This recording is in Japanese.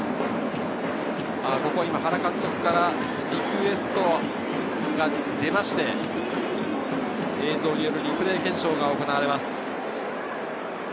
原監督からリクエストが出まして、映像によるリプレー検証が行われます。